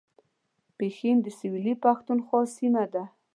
پښین د سویلي پښتونخوا سیمه ده